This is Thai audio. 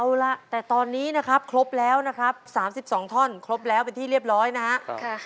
เอาล่ะแต่ตอนนี้นะครับครบแล้วนะครับ๓๒ท่อนครบแล้วเป็นที่เรียบร้อยนะครับ